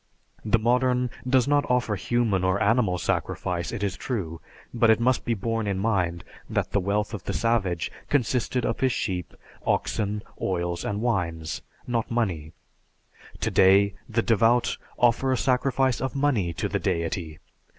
The modern does not offer human or animal sacrifice, it is true; but it must be borne in mind that the wealth of the savage consisted of his sheep, oxen, oils, and wines, not money. Today, the devout offer a sacrifice of money to the Deity.